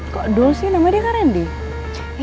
kok dul sih namanya dia kan randy